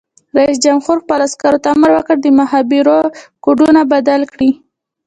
رئیس جمهور خپلو عسکرو ته امر وکړ؛ د مخابرو کوډونه بدل کړئ!